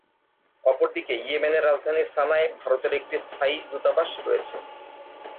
অপরদিকে ইয়েমেনের রাজধানী সানায় ভারতের একটি স্থায়ী দূতাবাস রয়েছে।